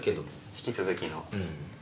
引き続きの。